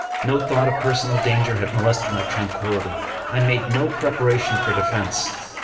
No thought of personal danger had miolested my tranquillity. I had made no preparation for defense.